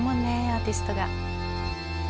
アーティストが。